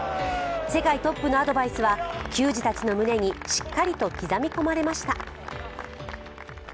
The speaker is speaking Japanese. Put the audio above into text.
世界トップのアドバイスは、球児たちの胸にしっかりと刻み込まれました。